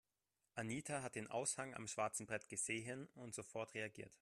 Anita hat den Aushang am schwarzen Brett gesehen und sofort reagiert.